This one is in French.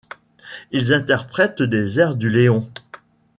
Ils interprètent des airs du Léon.